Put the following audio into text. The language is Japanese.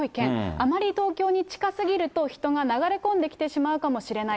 あまり東京に近すぎると、人が流れ込んできてしまうかもしれない。